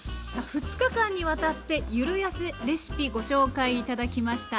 さあ２日間にわたってゆるやせレシピご紹介頂きました。